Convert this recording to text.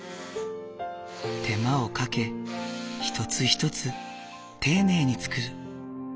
手間をかけ一つ一つ丁寧に作る。